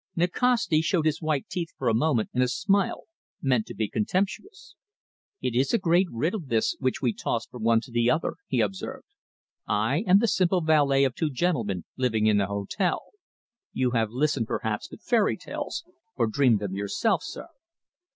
Nikasti showed his white teeth for a moment in a smile meant to be contemptuous. "It is a great riddle, this, which we toss from one to the other," he observed. "I am the simple valet of two gentlemen living in the hotel. You have listened, perhaps, to fairy tales, or dreamed them yourself, sir."